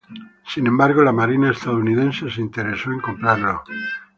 Sin embargo la marina estadounidense se interesó en comprarlo.